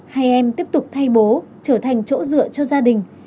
hai em tiếp tục thay bố trở thành chỗ dựa cho gia đình